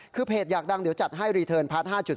คือเพจอยากดังเดี๋ยวจัดให้รีเทิร์นพาร์ท๕๒